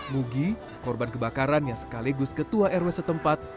mugi korban kebakaran yang sekaligus ketua rw setempat